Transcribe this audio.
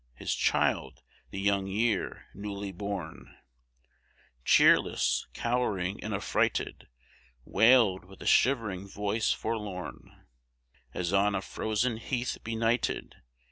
His child, the young Year, newly born, Cheerless, cowering, and affrighted, Wailed with a shivering voice forlorn, As on a frozen heath benighted.